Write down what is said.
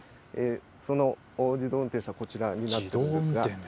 その自動運転車こちらになります。